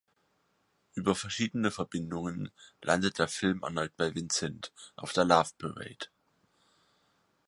Über verschiedene Verbindungen landet der Film erneut bei Vincent auf der Loveparade.